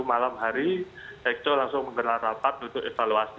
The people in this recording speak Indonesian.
malam hari hekto langsung menggerak rapat untuk evaluasi